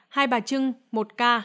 hai bà trưng một ca